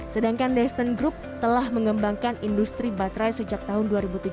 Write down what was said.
sedangkan desten group telah mengembangkan industri baterai sejak tahun dua ribu tiga belas